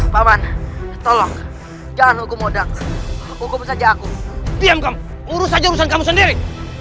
paman tolong jangan hukum modal hukum saja aku diam kamu urus aja urusan kamu sendiri